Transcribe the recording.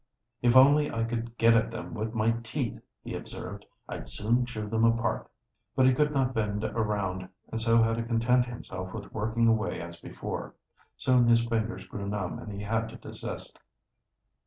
"If only I could get at them with my teeth," he observed, "I'd soon chew them apart." But he could not bend around, and so had to content himself with working away as before. Soon his fingers grew numb and he had to desist.